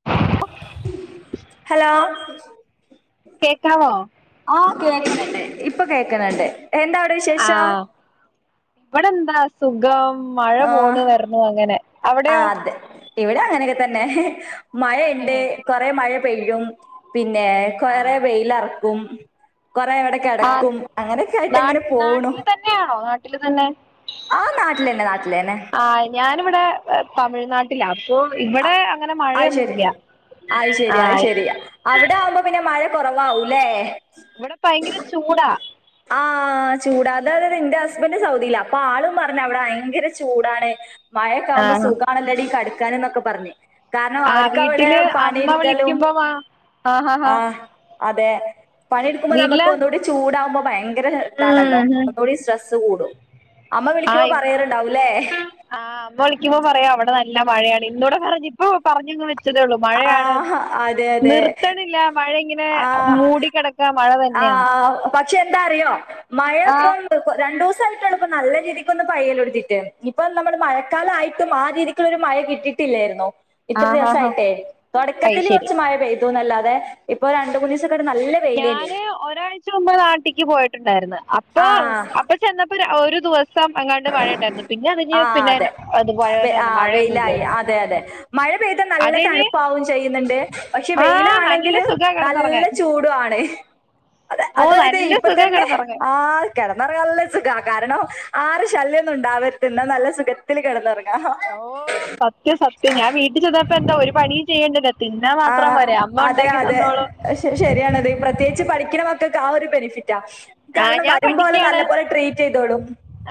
ആ.. ഹലോ. കേക്കാവോ? ആഹ്! കേൾക്ണണ്ട് ഇപ്പൊ കേക്കണണ്ട് എന്താ അവിടെ വിശേ ആഹ് ഇവിടെ എന്താ സുഖം മഴ പോണ്, ആഹ് വരുന്നു അങ്ങനെ അവിടെയോ ആഹ്! അതെ ഇവിടെ അങ്ങനെയൊക്കെ തന്നെ മഴയുണ്ട് ഏഹ് കൊറെ മഴ പെയ്യും, പിന്നെ കൊറെ ആഹ് വെയിലറക്കും, കൊറെ ഇവിടെ ആഹ് കെടക്കും. അങ്ങനെയൊക്കെ ആയിട്ട് നാ ങ്ങനെ പോണൂ. നാട്ടില് തന്നെയാണോ നാട്ടില് തന്നെ ആഹ് നാട്ടിലന്നെ നാട്ടിലന്നെ ആഹ് ഞാനിവിടെ. തമിഴ്നാട് ട്ട്ല അപ്പൊ ഇവിടെ അങ്ങനെ അത് ശരി മഴയൊന്നുംല്ല്യ! ആഹ്. അവിടാവുമ്പോ പിന്നെ മഴ കുറവാഊല്ലേ? ഇവിടെ ഭയങ്കര ചൂടാ ആഹ് ചൂടാ! അതാതത് ഇന്റെ ഹസ്ബന്റ് സൗദിയിലാ അപ്പൊ ആളും പറഞ്ഞ അവിടെ ഭയങ്കര ചൂടാണ്. മഴക്കെ ആകുമ്പോ ആഹ് സുഖണല്ലടീ കെടക്കാന്ന്നൊക്കെ പറഞ്ഞു.. കാര്ണം ആഹ് അവർക്കവിടെ വീട്ടില് പണി അമ്മ എടുക്കലും, വിളിക്കുമ്പോ വാ ആഹ് അതെ പണി എടുക്കുമ്പോ വീട്ടില് നമുക്ക് ഒന്നുകൂടി ചൂടാവുമ്പോ ഭയങ്കര ഇതാണല്ലോ ഉം ഒന്നുടി സ്ട്രെസ്സ് സ്സ് കൂടും. അമ്മ വിളിക്കുമ്പോ ആഹ് പറയാറുണ്ടാവൂല്ലേ? ആഹ്! അമ്മ വിളിക്കുമ്പോ പറയും. അവിടെ നല്ല മഴയാണ് ഇന്നൂടെ പറഞ്ഞു ഇപ്പൊ പറഞ്ഞങ്ങ് വച് ച്ചതേയുള്ളു, മഴയാണ് ആഹ് അതെ അതെ നിർത്തണില്ല മഴ ഇങ്ങനെ മൂടിക്കിട ആഹ്! പക്ഷെ എന്താ അറിയോ? മഴ ആഹ് ഇപ്പം രണ്ടോസായിട്ടുള്ളപ്പ നല്ല രീതിക്കൊന്നു പയ്യൽ എടുത്തിട്ട്. ഇനി ഇപ്പ നമ്മള് മഴക്കാലമായിയിട്ടും ആ രീതി ക്കുള്ള ഒരു മഴ കിട്ടിയിട്ടില്ലായിരുന്നൂ. ഇത്ര ആഹാഹാ ദിവസായിട്ടേ, അത് തുടക്കത്തിൽ ശരി കുറച്ച് മഴ പെയ്തുന്നല്ലാതെ, ഇപ്പൊ രണ്ട്, മൂന്നീസൊക്കെ ആയിട്ട് നല്ല വെയിലേനി ഞാന് ഒരാഴ്ച മുമ്പ് നാട്ടിക്ക് പോയിട്ടുണ്ടായിരുന്നു അ ആഹ് ചെന്നപ്പോര് ഒരു ദിവ സം എങ്ങാണ്ട് മഴ ണ്ടായിരുന്നു. പിന്നെ അതു ആ കഴിഞ്ഞ് പിന്നെ അതെ പഴയ പോലെ വെ- ആ തന്നെ. വെയിലായി മഴയൊന്നുംല്ലായിരുന്നു! അതെ അതെ. മഴ പെയ്താ നല്ല തണുപ്പു ആവും ചെയ്യുന്നുണ്ട്, പക്ഷെ ആ നല്ല വെയിലാണെങ്കിൽ സുഖാ നല്ല കിടന്നുറങ്ങാൻ ചൂടു ആണ് അത ഓ അതായത് നല്ല ഇപ്പൊ സുഖാ തന്നെ കിടന്നുറങ്ങാൻ ആഹ് കിടന്നുറങ്ങാല്ലോ, നല്ല സുഖാ കാരണം ആരെ ശല്യൊന്നും ഉണ്ടാാവരുത് ന്ന നല്ല സുഖത്തില് കിടന്നുറങ്ങാ ഓഹ് സത്യം സത്യം ഞാൻ വീട്ടിൽ ചെന്നപ്പോ എന്താ ഒരു പണിയും ചെയ്യേണ്ട തിന്നാൻ മാത്രം വരെ അമ്മ ഉണ്ടാക്കി തന്നോളൂ. അഹ് ശരി ശരിയാണത് പ്രത്യേകിച്ച് പഠിക്ണ മക്കൊക്ക ആ ഒരു ബെനിഫിറ്റാ. ആ കാരണം വരുമ്പോലെ നല്ല പോലെ ട്രീറ്റ്യ്തോളും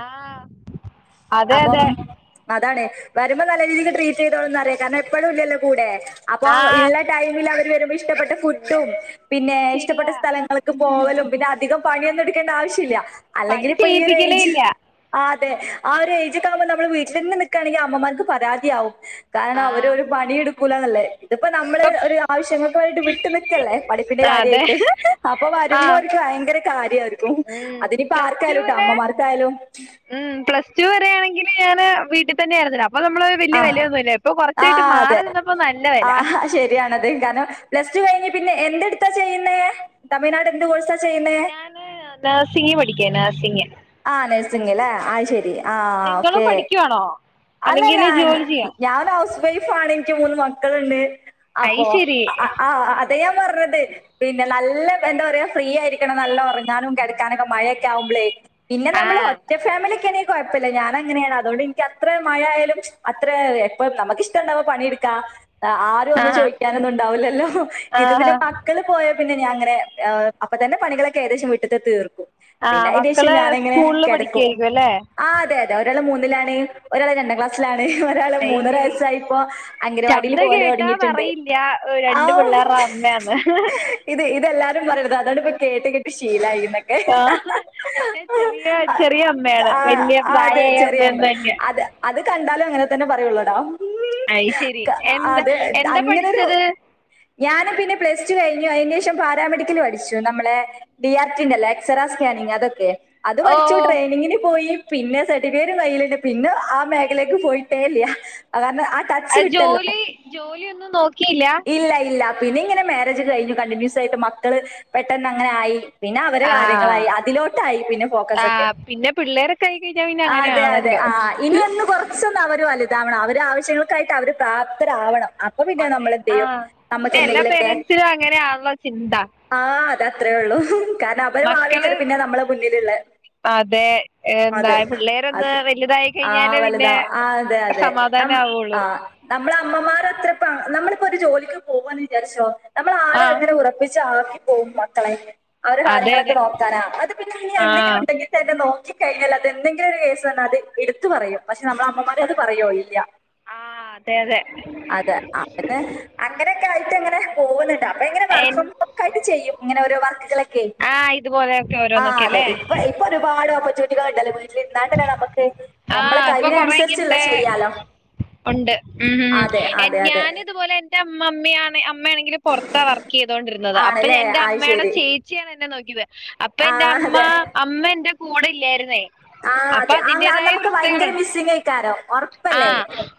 ആഹ് അപ്പം അതാണ് വരുമ്പോ നല്ല രീതിക്ക് ട്രീറ്റ്യ്തോളുംന്നറിയാ കാരണം എപ്പഴുംല്ലല്ലോ കൂടെ, അപ്പൊ ആ ഇള്ള ടൈമിൽ അവർ വരുമ്പോ ഇഷ്ടപ്പെട്ട ഫുഡും, പിന്നെ ഇഷ്ടപ്പെട്ട ശരിയാ സ്ഥലങ്ങൾ ഒക്കെ പോകലും പിന്നെ അധികം പണിയൊന്നും എടുക്കേണ്ട ആവശ്യല്ല അല്ലെങ്കിൽ പണി ഇപ്പൊ ഈ ഒരു ചെയ്യിപ്പിക്കലേ ഏജ് ഇല്ല ആഹ് അതെ ആഹ് ഒരു ഏജക്കെ. ആഉമ്പോ നമ്മള് വീട്ടിൽ തന്നെ നിക്കുകയാണെങ്കി അമ്മമാർക്ക് പരാതിയാവും. കാരണം അവര് ആഹ് ഒരു പണിയെടുക്കൂലന്നല്ലേ ഇതിപ്പോ നമ്മള് ഒരു ആവശ്യങ്ങൾക്ക് വേണ്ടിട്ട് വിട്ടു നിൽക്കല്ലേ പഠിപ്പിന്റെ അതെ കാര്യയിട്ട് അപ്പൊ വരുമ്പോ ആഹ് ഒരു ഭയങ്കര കാര്യയിരിക്കും, ഉം അതിനിപ്പോ പ്ലസ് ടു ആർക്കായാലും ട്ടോ, വരെ അമ്മമാർക്കായാലും ഉം പ്ലസ് ടു വരെ ആണെങ്കില് ഞാന് വീട്ടിൽ തന്നെയായിരുന്നല്ലോ അപ്പൊ ഞമ്മള് വല്യ ആഹ് വെലയൊന്നുല്ല, ഇപ്പൊ കൊറച്ചായിട്ട് ആഹ് മാറി അതെ നിന്നപ്പോ നല്ല വെല ആഹ് ശരിയാണത് കാരണം പ്ലസ്ടു കഴിഞ്ഞാ പിന്നെ എന്തെടുത്താ ചെയ്യുന്നെ, തമിഴ്നാട് എന്ത് കോഴ്സാ ചെയ്യുന്നേ ഞാന് നഴ്സിംഗ് പഠിക്കാ നഴ്സിംഗ് ആ നഴ്സിംഗ് അല്ലേ അത് ശരി ആ ഓക്കേ ആണോ അല്ലല്ല ഞാൻ ഒരു ഹൗസ് വൈഫ് ആണ് എനിക്ക് മൂന്ന് മക്കളുണ്ട് അപ്പോ അയ്ശരി അത് ഞാൻ പറഞ്ഞത് പിന്നെ നല്ല എന്താ പറയാ ഫ്രീ ആയിരിക്കണം നല്ല ഉറങ്ങാനും കിടക്കാനൊക്കെ മഴയൊക്കെ ആവുമ്പളേ. പിന്നെ നമ്മൾ ആഹ് ഒറ്റ ഫാമിലിയൊക്കെ ആണെ കുഴപ്പമില്ല, ഞാനങ്ങനെയാണ് അതൊണ്ട് എനിക്ക് അത്ര മഴയായാലും അത്ര ഇപ്പം നമുക്കിഷ്ടമുള്ളപ്പൊ പണിയെടുക്കാം ആരും ഒന്നും ആഹാ ചോദിക്കാനൊന്നും ഉണ്ടാവില്ലല്ലോ, ഇത് ആഹാ പിന്നെ മക്കള് പോയാ പിന്നെ ഞാൻ അങ്ങെനെ അപ്പ തന്നെ പണികളൊക്കെ ഏകദേശം വിട്ടിലത്തെ തീർക്കും. പിന്നെ ആഹ് അതിന് ശേഷം മക്കള് ഞാനങ്ങനെ സ്കൂളില് കിടക്കും. പഠിക്കായിരിക്കും അല്ലെ ആ അതെ അതെ ഒരാൾ മൂന്നിലാണ് ഒരാൾ രണ്ടാം ക്ലാസ്സിലാണ്. അയ്ശരി മൂന്നരവസായിപ്പോ അംഗനവാടിയിൽ ശബ്ദം പോലെ കേട്ടാ തുടങ്ങിട്ടുണ്ട് ആ ഇത് ഇതെല്ലാരും പറയണതാ അതാണ് ഇപ്പൊ കേട്ട് കേട്ട് ശീലായിന്നെ ആ, ഞാൻ ചെറിയ ചെറിയ അമ്മയാണ് ആ വലിയ ആ പ്രായമായ ചെറിയാമ്പ് അമ്മയൊന്നുമില്ല അതെ അത് കണ്ടാലും അങ്ങനെ തന്നെ പറയുള്ളൂടാ അത് ശരി ക എന്താ എന്താ പഠിച്ചത് ഞാനും പിന്നെ പ്ലസ്ടു കഴിഞ്ഞു അതിന് ശേഷം പാരാമെഡിക്കൽ പഠിച്ചു നമ്മളെ ഡി ആർടിൻ എക്സറെ സ്കാനിങ് അതൊക്കെ അത് ഓ പഠിച്ചു ട്രെനിങ്ങിന് പോയി പിന്നെ സർട്ടിഫിക്കറ്റ് കയ്യിലുണ്ട് പിന്നെ ആ മേഖലക്ക് പോയിട്ടേയില്ല അത് കാരണം ആ ടച്ച് ആഹ് വിട്ടല്ലോ. ജോലി ജോലിയൊന്നും നോക്കിയില്ല ഇല്ല ഇല്ല പിന്നെ ഇങ്ങനെ മാരേജ് കഴിഞ്ഞു, കണ്ടിന്യൂസ് ആയിട്ട് മക്കള് പെട്ടെന്ന് അങ്ങനെ ആയി. പിന്നെ അവരെ ആ കാര്യങ്ങളായി അതിലോട്ടായി പിന്നെ ആ ഫോക്കസ് ഒക്കെ പിന്നെ പിള്ളേരൊക്കെ ആയി കഴിഞ്ഞാൽ പിന്നെ അങ്ങനെ അതെ അതെ ആണല്ലോ ആഹ് ഇനി ഒന്ന് കുറച്ചൊന്ന് അവര് വലുതാവണം അവര ആവശ്യങ്ങൾക്കായിട്ട് അവര് പ്രാപ്തരാവണം അപ്പ പിന്നെ അതെ നമ്മളെന്ത് ആ ചെയ്യും നമ്മുക്ക് പിന്നെ എല്ലാ എന്തെങ്കിലുമൊക്കെ പേരൻസിനും അങ്ങനെ ആണല്ലോ ചിന്ത ആഹ് അതത്രേ ഉള്ളൂ കാരണം അവര് ഭാവി മക്കള് ഏകാരം പിന്നെ നമ്മളെ മുന്നിലുള്ള അതെ എന്താ അതെ പിള്ളേരൊന്ന് അത് വലുതായി ആ കഴിഞ്ഞാല് പിന്നെ വലുതാ ആ അതെ അതെ ആം സമാധാനാവുള്ളൂ നമ്മളേ അമ്മമാരെ അത്രപ്പ നമ്മളിപ്പോ ഒരു ജോലിക്ക് പോവാന്ന് വിചാരിച്ചോ നമ്മള ആഹ് ഉറപ്പിച്ച ആക്കിപ്പോകും മക്കളെ അവരെ അതെ കാര്യങ്ങളൊക്കെ അതെ നോക്കാനാ അത് പിന്നെ ഇനി ആഹ് എന്തെങ്കിലുംണ്ടെങ്കിൽ നോക്കി കഴിഞ്ഞാൽ അത് എന്തെങ്കിലും ഒരു കേസ് വന്ന അത് ഇട്ത്ത് പറയും പക്ഷെ നമ്മൾ അമ്മമാര് അത് പറയോ ഇല്ല ആഹ് അതെ അതെ അതെ അന്ന് അങ്ങനെയൊക്കെ ആയിട്ട് അങ്ങനെ പോകുന്നുണ്ടാ ഏൻ ട്ട് ചെയ്യും ഇങ്ങനെ ഓരോ വർക്ക്കളൊക്കെ ആഹ് ഇതുപോലെയൊക്കെ ആ ഓരോന്നൊക്കെ അതെ അല്ലേ ഇപ്പെ ഇ ഇപ്പൊ ഒരുപാട് ഓപ്പർടചൂണിറ്റ്കൾണ്ടല്ലോ ഇന്നാത്തന്നെ നമ്ക്ക് നമ്മളെ ആഹ് കൈവിനനുസരിച്ചുള്ള ചെയ്യാലോ ഒണ്ട് ഉം ഉ ഉ അതെ എ അതെ അതെ ഞാനിതുപോലെ എന്റെ മമ്മിയാണെ അമ്മയാണെങ്കിൽ പൊറത്താ വർക്ക് ചെയ്തോണ്ടിരുന്നത് അപ്പൊ ആണല്ലേ എന്റെ അത് അമ്മയുടെ ശരി ചേച്ചി ചേച്ചിയാണ് എന്നെ നോക്കിയത് അപ്പൊ ആ എന്റെ അമ്മ അതെ അമ്മ എന്റെ കൂടെ ഇല്ലായിരുന്നേ ആ അപ്പൊ അതെ ആ ആ, അതിന്റേതായ നമുക്ക് ഭയങ്കര പ്രശ്നങ്ങൾണ്ട് മിസ്സിങ് ആയിക്കാരോ ആ ഉറപ്പല്ലേ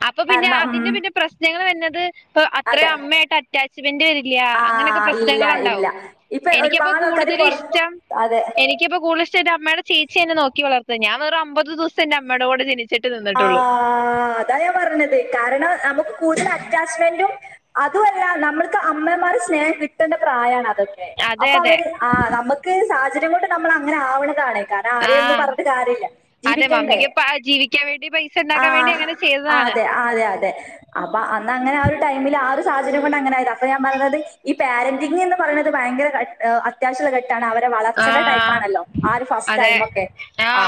അപ്പൊ പിന്നെ കാരണം ഉം, അതിന്റെ പിന്നെ പ്രശ്നങ്ങൾ വന്നത് അപ്പൊ അത്ര അതെ അമ്മയായിട്ട് അറ്റാച്ച്മെന്റ് വരില്ല ആ അങ്ങനെയൊക്കെ ഇല്ല പ്രശ്നങ്ങൾ ഇല്ല ഉണ്ടാവും ഇപ്പൊ ഒരു പാട് ആൾക്കാര് പോറത് അതെ എൻക്കിപ്പോ കൂട്തൽ [unintelligible] എന്റെ അമ്മയുടെ ചേച്ചി എന്നെ നോക്കി വളർത്താ ഞാൻ വെറും അമ്പത് ദിവസം എന്റെമ്മയുടെ കൂടെ ജനിച്ചു ച്ചിട്ട് നിന്നിട്ടുള്ളൂ അതാണ് ഞാൻ പറഞ്ഞത് കാരണം നമുക്ക് കൂടുതൽ അറ്റാച്ച്മെന്റും അതു അല്ല നമ്മൾക്ക് അമ്മമാരെ സ്നേഹം കിട്ടേണ്ട പ്രായാണ് അത് അതെ അപ്പൊ അതെ അവര് ആ നമുക്ക് സാഹചര്യം കൊണ്ട് നമ്മൾ അങ്ങനെ ആവണതാണ് കാരണം ആരെയൊന്നും ആഹ് പറഞ്ഞിട്ട് കാര്യല്ല ജീവിക്കണ്ടേ ക്കാവേണ്ടി പൈ ആഹ്‌ ആതെ അതെ അതെ അപ്പൊ അന്ന് അങ്ങനെ ആ ഒരു ടൈമില് ആ ഒരു സാഹചര്യം കൊണ്ട് അങ്ങനെ ആയതാ അപ്പൊ ഞാൻ പറഞ്ഞത് ഈ പാരന്റിങ്ങ്ന്ന് പറയുന്നത് ഭയങ്കര ഏഹ് അത്യാവശ്യമുള്ള ഘട്ടാണ് അവരെ വളർച്ചന്റെ ആഹ് ടൈംമാണല്ലോ ആ ഒരു ഫസ്റ്റ് അതെ ടൈം ഒക്കെ ആ ആഹ്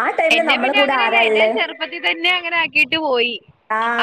ആ ടൈമില് നമ്മള് അങ്ങനല്ലേ എന്നെ ചെറുപ്പത്തിൽ തന്നെ അങ്ങനെ ആക്കിട്ട് പോയി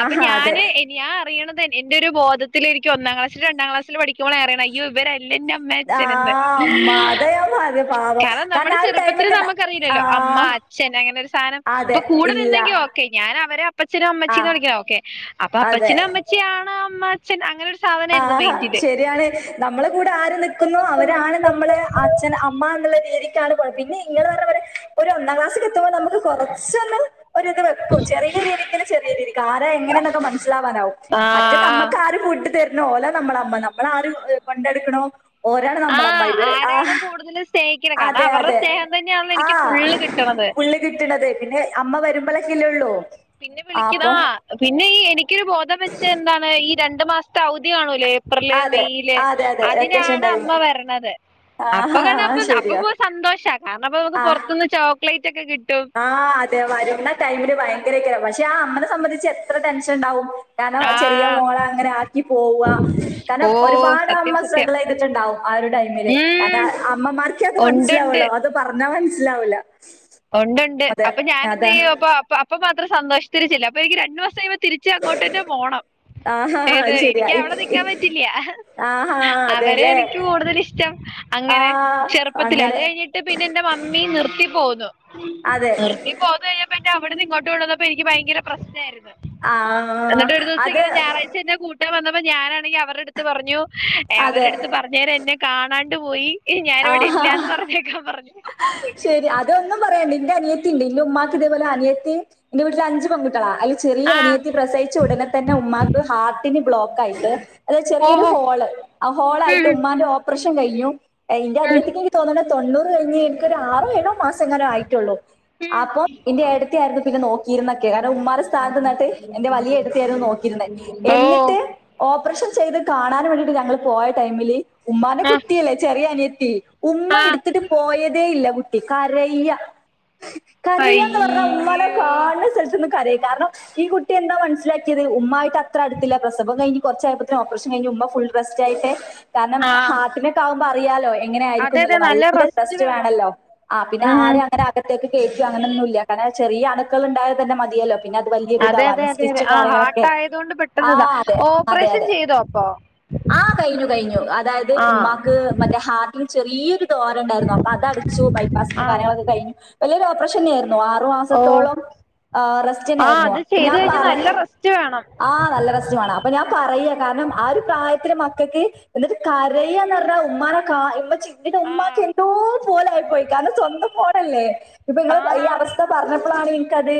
അപ്പൊ ഞാൻ അതെ. എ ഞാൻ അറിയണത് എന്റെ ഒരു ബോധത്തില് ഒന്നാം ക്ലാസിൽ രണ്ടാം ക്ലാസിൽ പഠിക്കുമ്പോേ അറിയ്ണേ അയ്യോ ഇവരല്ലല്ലോ അമ്മേം അച്ഛനെന്ന് ആഹ് അമ്മ അതാ ഞാൻ പറഞ്ഞെ പാവം. കാരണം നമ്മുടെ ആ ഒരു ചെറുപ്പത്തിൽ ടൈമൊക്കെ നമുക്കറിയില്ലല്ലോ അമ്മ ആഹ് അച്ഛൻ അങ്ങനെ ഒരു സാനം അതെ അപ്പൊ കൂടെ ഇല്ല. നിന്നെങ്കിൽ ഓക്കെ ഞാൻ അവരെ അപ്പച്ഛനും അമ്മച്ചീന്ന് ആഹ് വിളിക്കാ ഓക്കെ അപ്പൊ അതെ. അപ്പഛനും അമ്മച്ച ച്ചി ആണ് അമ്മ ച്ചൻ അങ്ങനെ ഒരു സാ ആഹാ ശരിയാണ് നമ്മളെ കൂടെ ആര് നിക്കുന്നു അവരാണ് നമ്മളെ ആ അച്ഛൻ അമ്മ എന്നുള്ള രീതിക്കാണ് പിന്നെ നിങ്ങൾ പറഞ്ഞ പോലെ ഒരു ഒന്നാം ക്ലാസ് എത്തുമ്പോൾ നമുക്ക് കൊറച്ചൊന്ന് ഒരു ഇത് വെക്കും ചെറിയ രീതിക്കെങ്കിലും ചെറിയ രീതി ആര് എങ്ങനെന്നൊക്കെ മനസ്സിലാവാനാവും ആ മറ്റേ നമ്മക്കാര് കൂട്ട് പിന്നെ ഓലാ നമ്മളെ അമ്മ നമ്മളെ ആരു കൊണ്ടടുക്കണോ ഒരാള് ആ നമ്മളമ്മ ഇവരെ ആരാണ് ആഹ്‌ കൂടുതൽ സ്നേഹിക്കുന്നത് കാരണം അതെ അവരുടെ അതെ സ്നേഹം തന്നെയാണല്ലോ ആ എനിക്ക് ഫുള്ള് കിട്ടണത് പുള്ളി കിട്ടണത് പിന്നെ അമ്മ വരുമ്പളൊക്കെ ഇല്ലേള്ളൂ പിന്നെ വിളിക്കു ആഹ്‌ പിന്നെ ഈ എനിക്കൊരു ബോധം വെച്ച് എന്താണ് ഈ രണ്ടു മാസത്തെ അവധി കാണൂലെ ഏപ്രില് അതെ മെയ്യില് അതെ അതെ വെക്കേഷൻ അതിനാണ് ടൈം അമ്മ വരണത് അപ്പൊ ആ കാണപ്പ അപ്പൊ ശരിയാ പോ സന്തോഷാ കാരണം അപ്പൊ നമുക്ക് പുറത്ത് നിന്ന് ചോക്ലേറ്റ് ഒക്കെ കിട്ടും ആഹ് അതെ വരുന്ന ടൈമില് ഭയങ്കരെക്കാരം പക്ഷെ ആ അമ്മനെ സംബന്ധിച്ച് എത്ര ടെൻഷൻ ഇണ്ടാവും കാരണം ചെറിയ ആ മോളെ അങ്ങനെ ആക്കി പോവാ ഓ കാരണം ഒരുപാട് സത്യം അമ്മ സത്യം സ്ട്രഗിൾ ചെയ്തിട്ടുണ്ടാവും ആ ഒരു ടൈമില് ഉം കാരണം അമ്മമാർക്കേ അത് ഉണ്ടുണ്ട് മനസ്സിലാവുള്ളൂ അത് പറഞ്ഞാൽ മനസ്സിലാവൂല്ല ഒണ്ട് ഒണ്ട് അപ്പൊ ഞാൻ എന്ത് ചെയ്യും അപ്പൊ അപ്പൊ മാത്രം സന്തോഷത്തില് ചെല്ലും അപ്പൊ എനിക്ക് രണ്ട് ദിവസം [unintelligible] തിരിച്ചു അങ്ങോട്ട്തന്നെ പോണം ആ ഏത് ശരിയാ എനിക്ക് ഇ അവിടെ നിക്കാൻ ഇ പറ്റില്ല ആഹാ അവരെ അതെല്ലേ എനിക്ക് കൂടുതൽ ഇഷ്ടം. ആ അങ്ങനെ ചെറുപ്പത്തില് അത് അങ്ങനെ കഴിഞ്ഞിട്ട് ട്ട് പിന്നെ ഇന്റെ മമ്മി നിർത്തി പോന്നു അതെ നിർ ത്തി പോന്ന് കഴിഞ്ഞപ്പം എനിക്ക് അവിടുന്ന് ഇങ്ങോട്ട് കൊണ്ട് വന്നപ്പോൾ എനിക്ക് ഭയങ്കര പ്രശ്‌നായിരുന്നു. ആ എന്നിട്ട് ഒരു ദിവസം അത് ഇങ്ങനെ ഞായറാഴ് ച എന്നെ കൂട്ടൻ വന്നപ്പോ ഞാനാണെങ്കിൽ അവരുടെടുത്ത് പറഞ്ഞു അവരെ അതെ അടുത്ത് പറഞ്ഞു നേരെ എന്നെ കാണാണ്ട് പോയി. ഞാനിവിടെ ആഹാ ഇല്ലാന്ന് പറഞ്ഞേക്കാൻ പറഞ്ഞു. ശരി അതൊന്നും പറയണ്ട് ഇന്റെ അനിയത്തി ഇണ്ട് ഇന്റെ ഉമ്മാക്ക് ഇതേപോലെ അനിയത്തിയും ഇന്റെ വീട്ടില് അഞ്ചു പെൺകുട്ടി ട്ടികളാ അയ്ല് ചെറിയ ആഹ് അനിയത്തി പ്രസവിച്ച ഉടനെ തന്നെ ഉമ്മാക്ക് ഹാർട്ടിന് ബ്ലോക്ക് ആയിട്ട് അതയത് ചെറിയൊരു ഓഹോ ഹോള് ആ ഹോളായിട്ട് ഉം ഉമ്മാന്റെ ഓപ്പറേഷൻ കഴിഞ്ഞു ഇന്റെ ഉം അനിയത്തിക്ക് എനിക്ക് തോന്നണ് തൊണ്ണൂറ് കഴിഞ്ഞ് ഇൻക്കൊരു ആറോ ഏഴോ മാസങ്ങനെ ആയിട്ടുള്ളൂ. അപ്പൊ ഉം ഇന്റെ ഏട്ടത്തി ആയിരുന്നു പിന്നെ നോക്കിയിരുന്നൊക്കെ കാരണം ഉമ്മാടെ സ്ഥാനത്ത് നിന്നിട്ട് എന്റെ വലിയ ഏട്ടത്തിയായിരുന്നു നോക്കിരുന്നേ. ഓഹ്‌ എന്നിട്ട് ഓപ്പറേഷൻ ചെയ്ത് കാണാൻ വേണ്ടീട്ട് ഞങ്ങള് പോയ ടൈമില് ഉമ്മാന്റെ ആഹ് കുട്ടിയല്ലെ അനിയത്തി ഉമ്മ ആഹ് എടുത്തിട്ട് പോയതേ ഇല്ല കുട്ടി കരയ്യ കരയാന്ന് പറഞ്ഞ ഉമ്മാനെ അയ്യോ കാണണ സ്ഥലത്ത് നിന്ന് കരയും കാരണം ഈ കുട്ടി എന്താ മനസ്സിലാക്കിയത് ഉമ്മായിട്ട് അത്ര അടുത്തില്ല. പ്രസവം കഴിഞ് കൊറച്ചായപ്പത്തിന് ഓപ്പറേഷൻ കഴിഞ്ഞു ഉമ്മ ഫുൾ റെസ്റ്റായിട്ട് കാരണം ആഹ് ഹാർട്ടിനൊക്കെ ആകുമ്പോ അറിയാലോ എങ്ങനെ ആയിരിക്കും അതെ അതെ ന്നുള്ളത് നല്ല റെസ്റ്റ് റസ്റ്റ് വേണം വേണല്ലോ ആ പിന്നെ ഉം ആരെയും അങ്ങനെ അകത്തേക്ക് കേറ്റു അങ്ങനൊന്നുല്ല കാരണം ചെറിയ അണുക്കള് ഉണ്ടായാൽത്തന്നെ മതിയല്ലോ പിന്നെ അത് വലിയൊരു അതെ ഇതാണ്. അതെ അതെ അതെ സ്റ്റിച്ച് ആ കാര്യങ്ങളൊക്കെ. ഹാർട്ട് ആയതുകൊണ്ട് ആ പെട്ടെന്നിതാ അതെ അതെ ഓപ്പറേഷൻ അതെ ചെയ്തോ അപ്പൊ ആഹ കഴിഞ്ഞു കഴിഞ്ഞു അതായത് ആഹ് ഉമ്മാക്ക് മറ്റേ ഹാർട്ടിന് ചെറിയൊരു ദ്വാരം ഉണ്ടായിരുന്നു. അപ്പൊ അതടച്ചു ബൈപ്പാസിന്റെ ആഹ് കാര്യങ്ങളൊക്കെ കഴിഞ്ഞു. വലിയൊരു ഓപ്പറേഷൻ തന്നയായിരുന്നു. ഓ ആറുമാസത്തോളം റസ്റ്റ്‌ ആഹ് തന്നായിരുന്നു. അത് ചെയ്ത് കഴിഞ്ഞാ നല്ല റെസ്റ്റ് വേണം നല്ല റസ്റ്റ്‌ വേണം. അപ്പൊ ഞാൻ പറയ കാരണം ആ ഒരു പ്രായത്തില മക്കൾക്ക് എന്നിട്ട കരയ ന്ന്‌ പറഞ്ഞാ ഉമ്മാനെ കാ ഉമ്മച്ചി ഇവിടെ ഉമ്മാക്ക് ആഹ് എന്തോ പോല ആയിപോയി കാരണം സ്വന്തം മോനല്ലേ ഇപ്പൊ നിങ്ങൾ ഈ ആഹ് അവസ്ഥ പറഞ്ഞപ്പോഴാണ് ഇനിക്കത്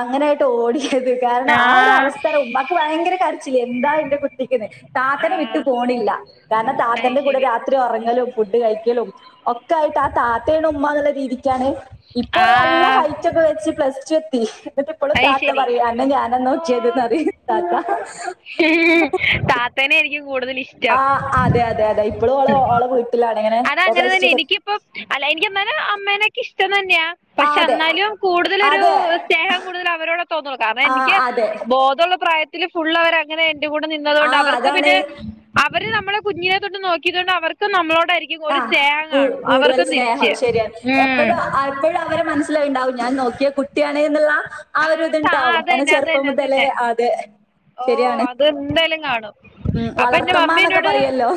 അങ്ങനായിട്ട് ഓടിയത്. കാരണം ആ ഒരു ആഹ് അവസ്ഥയാണ്. ഉമ്മാക്ക് ഭയങ്കര കരച്ചിൽ എന്താ എന്റെ കുട്ടിക്കുന്ന്. താത്തനെ വിട്ടു ആഹ് പോണില്ല. കാരണം അയ് താത്തന്റെ കൂടെ ശരി രാത്രി ഉറങ്ങലും ഫുഡ് കഴിക്കലും ഒക്കെ ആയിട്ട് ആ താത്തേയുടെ ഉമ്മാ എന്നുള്ള രീതിക്കാണ്. ഇപ്പോൾ നല്ല ആഹ് ഹൈ വെച്ച് പ്ലസ് ടു എത്തി. എന്നിട്ട് ഇപ്പോളും അയ് താത്ത ശരി പറയും അന്നെ ഞാനാ നോക്കിയതെന്ന് പറയും. താത്ത തത്തേനെയാണ് എനിക്ക് കൂടുതൽ ഇഷ്ടം. ആ അതെ അതെ അതെ ഇപ്പോഴും ഓൾ ഓളുടെ വീട്ടിലാണ് ഇങ്ങനെ റസ്റ്റ്‌ അപ്പ അല്ല എനിക്ക് എന്നാലും എനിക്ക് അമ്മേനൊക്കെ ഇഷ്ടം തന്നെയാ ആ പക്ഷെ അതെ എന്നാലും കൂടുതലൊരു അതെ സ്നേഹം കൂടുതൽ അവരോടെ തോന്നുള്ളൂ. കാരണം ആ എനിക്ക് അതെ ബോധമുള്ള പ്രായത്തിൽ ഫുള് അവർ അങ്ങനെ എന്റെ കൂടെ നിന്നതു ആ കൊണ്ട് അവർക്ക് അതാണ് പിന്നെ അവര് നമ്മളെ കുഞ്ഞിലെ തൊട്ടു നോക്കിയത് കൊണ്ട് അവർക്കും നമ്മളോടായിരിക്കും ആ ഒരു സ്നേഹം കു കാണും കൂടുതൽ അവർക്കും സ്നേഹം തിരിച്ച് ശരിയാണ്. ഉം എപ്പോഴും ആ അപ്പോഴും അവരെ മനസ്സിലായി ഉണ്ടാവും ഞാൻ നോക്കിയ കുട്ടിയാണ് എന്നുള്ള ആ ഒരു സാ ഇത്ണ്ടാവും. എന്നെ അതന്നെ ചെറുപ്പം അതന്നെ മുതലേ അതന്നെ അത് ഓ ശരിയാണ് അത് എന്തായാലും കാണും. ഉം വളർത്തമ്മ എന്നൊക്കെ പറയല്ലോ.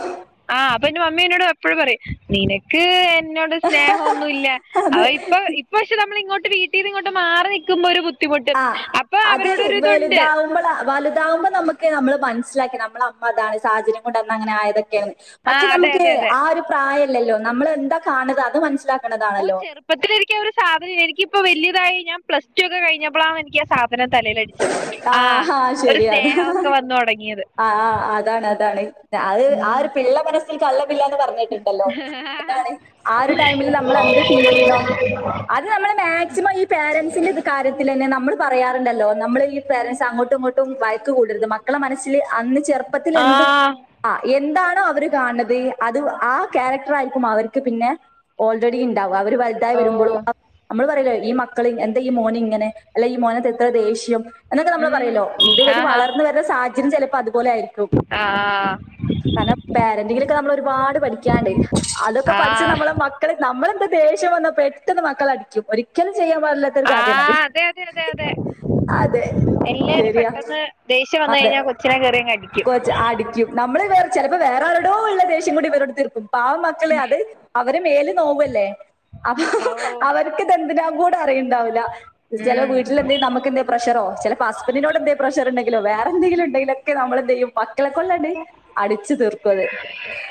ആഹ് അപ്പൊ എന്റെ മമ്മി എന്നോട് ട്എപ്പോഴും പറയും നിന.. ക്ക് എന്നോട് സ്നേഹമൊന്നുല്ല. അവ അത് ഇപ്പൊ പക്ഷെ നമ്മൾ ഇങ്ങോട്ട് വീട്ടീന്ന് ഇങ്ങോട്ട് മാറി നിക്കുമ്പോ ഒരു ബുദ്ധിമുട്ട് ആ അപ്പൊ അതെ അവരോടൊരു ഇതുണ്ട് വലുതാവുമ്പോളാ. വലുതാവുമ്പോൾ നമ്മ നമ്മള് മനസ്സിലാക്കി നമ്മള അമ്മ അതാണ്. സാഹചര്യം കൊണ്ട് അന്ന് അങ്ങനെ ആയതൊക്കെയാണ്. ആ മറ്റേ അതെ നമുക്ക് അതെ അതെ ആ ഒരു പ്രായല്ലല്ലോ നമ്മള് എന്താ കാണുക അത് മനസ്സിലാക്ക ഓ ചെറുപ്പത്തില് എനിക്ക് ഒരു സാധന എനിക്കിപ്പോ വല്യതായി ഞാൻ പ്ലസ് ടു ഒക്കെ കഴിഞ്ഞപ്പോളാണ് എനിക്ക് ആ സാധനം തലയിലടിച്ചത് ആ ആഹ അത് ഒരു ശരിയാണ് സ്നേഹമൊക്കെ വന്നു തുടങ്ങിയത് ആ ആ അതാണ് അതാണ് അത് ആ ഉം. ഒരു പിള്ള മന സ്സിൽ കളങ്കമില്ല എന്ന് പറഞ്ഞിട്ടുണ്ടല്ലോ അതാണ് ആ ഒരു ടൈമിൽ നമ്മൾ എന്ത് ഫീൽ ചെയ്യണോ അത് നമ്മള് മാക്സിമം ഈ പേരൻറ്സിന്റെ ഇത് കാര്യത്തിൽ തന്നെ നമ്മള് പറയാറുണ്ടല്ലോ നമ്മള് ഈ പേരൻ്റ്സ് അങ്ങോട്ടും ഇങ്ങോട്ടും വഴക്ക് കൂടരുത് മക്കളെ മനസ്സില് അന്ന് ചെറുപ്പത്തിൽ ആ എന്ത് ആ എന്താണോ അവര് കാണുന്നത് അത് ആ ക്യാരക്ടർ ആയിരിക്കും അവർക്ക് പിന്നെ ഓൾറെഡി ഉണ്ടാവാ അവര് വലുതായി ഓ വരുമ്പോഴും നമ്മള് പറയില്ലോ ഈ മ ക്കള് എന്താ ഈ മോൻ ഇങ്ങനെ അല്ല ഈ മോന് എത്ര ദേഷ്യം എന്നൊക്കെ നമ്മള് ഉം. പറയല്ലോ ഇത് ഇവര് വളർന്ന് വര സാഹര്യം ചിലപ്പോ അതുപോലെ ആയിരിക്കു ആഹ ആ് കാരണം പോരന്റിങ്ങിലൊക്കെ നമ്മള് ഒരുപാട് പഠിക്കാണ്ട് അതൊക്കെ ആ പഠിച്ച് നമ്മളെ മ ക്കള് നമ്മള് എന്ത് ദേഷ്യം വന്നാ പെട്ടെന്ന് മക്കളെ അടിക്കും ഒരിക്കലും ചെയ്യാൻ പാടില്ലാത്തൊരു ആ കാര്യാണ് അത്. അതെ അതെ അതെ അതെ എല്ലാരും ശരിയാ പെട്ടെന്ന് ദേഷ്യം വന്ന് അതെ കഴിഞ്ഞാൽ കൊച്ചിനെ കയറിയങ്ങ് അടിക്കും കൊച്ച് അടിക്കും നമ്മള് വേറെ ചെിലപ്പോ വേറെ ആരോടോ ഉള്ള ദേഷ്യം കൂടി ഇവരോട് തീർക്കും പാവം മക്കൾ അത് അവരെ മേല് നോവല്ലേ അപ്പൊ ഓ അവർക്ക് ഇതെന്തിന കൂടെ അറിയണ്ടാവില്ല ചില ഉം വീട്ടിലെന്തി നമുക്കിന്ന് പ്രഷറോ ചിലപ്പോ ഹസ്ബന്റിനോട് എന്തേം പ്രഷർ ഉണ്ടെങ്കിലോ വേറെ എന്തെങ്കി ഉണ്ടെങ്കിലൊക്കെ നമ്മെളെന്തെയ്യും മ മക്കളെ കൊണ്ടണ്ട് അടിച്ചു തീർക്കും അത്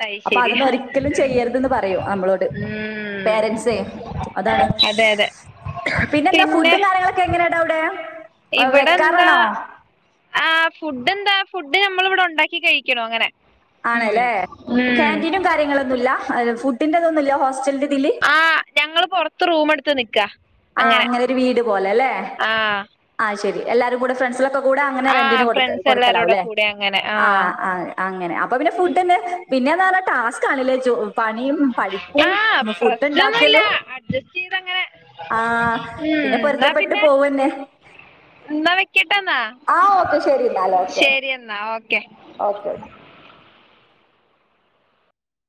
അത് അപ്പൊ അതൊന്നും ശരിയാ ഒരിക്കലും ചെയ്യരുത് എന്ന് പറയും നമ്മളോട് ഉം പേരെന്റ്സെ അതാണ് അതെ അതെ പിന്നെ എന്താ ഫുഡും കാര്യങ്ങള എങ്ങനെയാടാ അവിടെ ഇവിടെ എന്താ വെക്കാറാണോ ആഹ് ഫുഡ് എന്താ ഫുഡ് മ്മൾ ഇവിടെ ഉണ്ടാക്കി കഴിക്കണു അങ്ങനെ ഉം ഉം ഒന്നുല്ല ഫുഡിൻ്റ ഇതൊന്നുമില്ല ഹോസ്റ്റലിന്റെ ഇതില് ആഹ് ഞങ്ങള് പൊറത്ത് റൂമ് എടുത്ത് നിക്കാ ആഹ് അങ്ങനെ ഒരു വീട് പോലെ അല്ലെ ആഹ് ആഹ് ശരി എല്ലാരും കൂടെ ഫ്രണ്ട്സേളൊക്കെ കൂടെ അങ്ങനെ റെന്റിന് ആഹ് കൊടുക്ക് ഫ്രണ്ട്സ് എല്ലാരൂടെ കൊടുക്കലാവുല്ലെ കൂടെ അങ്ങനെ ആഹ് അങ്ങനെ അപ്പൊ പിന്നെ ഫുഡ്ന്നെ പിന്നെന്ന് പറാ ടാസ്ക് ആണല്ലേ ജോ പണിയും പഠിപ്പും ഫുഡ് ഉണ്ടാക്കലും ജസ്റ്റ് ചെയ്തങ്ങനെ ഉം പിന്നെ എന്നാ പൊരുത്തപ്പെട്ട് പിന്നെ പോവന്നെ. എന്നാ വെക്കട്ടന്നാ ആഹ് ഓക്കെ ശരി എന്നാല് ഓക്കെ. ശരി എന്നാ ഓക്കെ ഓക്കെ ഓക്കെ